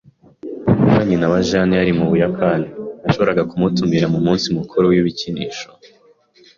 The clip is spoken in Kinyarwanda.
Niba nyina wa Jane yari mu Buyapani, nashoboraga kumutumira mu munsi mukuru w’ibikinisho.